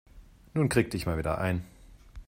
Nun krieg dich mal wieder ein.